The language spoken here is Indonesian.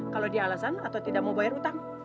kalau dia alasan atau tidak mau bayar utang